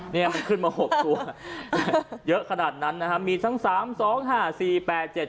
เนี่ยมันขึ้นมาหกตัวเยอะขนาดนั้นนะฮะมีทั้งสามสองห้าสี่แปดเจ็ด